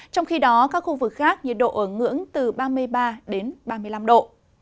trong khi đó các khu vực khác nhiệt độ ở ngưỡng từ ba mươi ba đến ba mươi năm độ